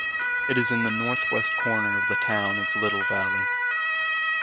It is in the northwest corner of the town of Little Valley.